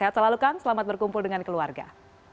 sehat selalu kang selamat berkumpul dengan keluarga